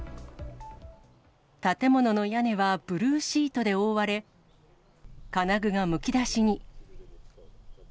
建物の屋根はブルーシートで覆われ、金具がむき出しに。